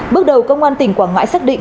bước đầu công an tỉnh quảng ngãi xác định